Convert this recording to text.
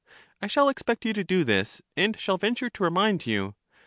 I shall expect you to do this, and shall venture to remind you.